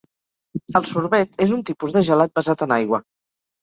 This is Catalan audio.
El sorbet és un tipus de gelat basat en aigua